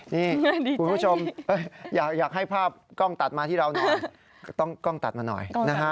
นี่คุณผู้ชมอยากให้ภาพกล้องตัดมาที่เราหน่อยต้องกล้องตัดมาหน่อยนะฮะ